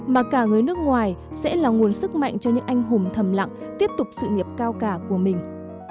mà cả người nước ngoài sẽ là nguồn sức mạnh cho những anh hùng thầm lặng tiếp tục sự nghiệp cao cả của mình